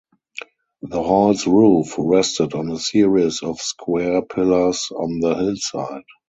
The hall's roof rested on a series of square pillars on the hillside.